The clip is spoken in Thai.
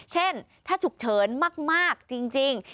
เช่นถ้าฉุกเฉินมากจริง